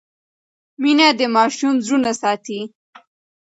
مینه د ماشوم زړونه ساتي.